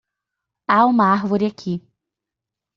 Há uma árvore aqui